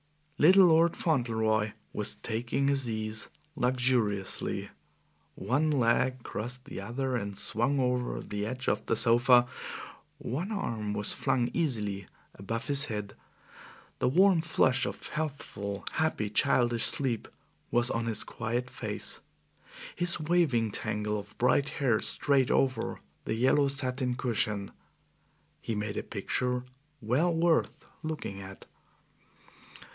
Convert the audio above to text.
Little Lord Fauntleroy was taking his ease luxuriously. One leg crossed the other and swung over the edge of the sofa; one arm was flung easily above his head; the warm flush of healthful, happy, childish sleep was on his quiet face; his waving tangle of bright hair strayed over the yellow satin cushion. He made a picture well worth looking at.